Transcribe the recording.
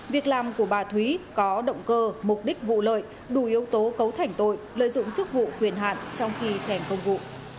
việc làm của bà thúy có động cơ mục đích vụ lợi đủ yếu tố cấu thảnh tội lợi dụng chức vụ khuyền hạn trong khi thảnh công vụ